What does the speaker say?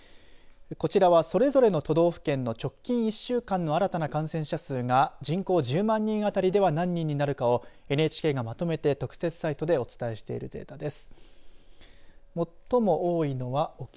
こちらは、それぞれの都道府県の直近１週間の新たな感染者数が人口１０万人あたりでは何人になるかをＮＨＫがまとめて特設サイトでお伝えしているデータです。